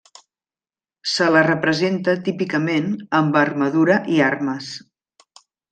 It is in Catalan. Se la representa típicament amb armadura i armes.